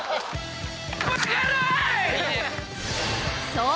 ［そう！